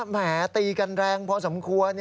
แหมตีกันแรงพอสมควร